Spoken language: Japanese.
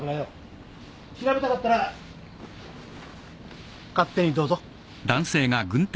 調べたかったら勝手にどうぞ。